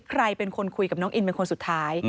ใครเป็นคนคุยกับน้องอินเป็นคนสุดท้าย